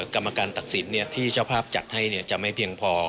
กรรมการตัดสินที่เจ้าภาพจัดให้จะไม่เพียงพอ